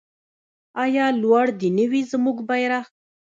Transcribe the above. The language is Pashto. آیا لوړ دې نه وي زموږ بیرغ؟